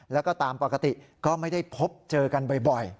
แล้วก็ตามปกติก็ไม่ได้พบเจอกันบ่อย